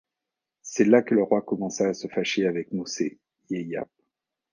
C’est là que le roi commença à se fâcher avec Mosé Yeyap.